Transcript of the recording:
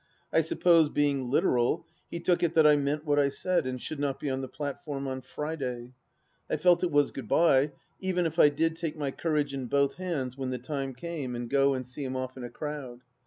I suppose, being literal, he took it that I meant what I said, and should not be on the platform on Friday. I felt it was Gk)od bye, even if I did take my courage in both hands when the time came and go and see him off in a crowd.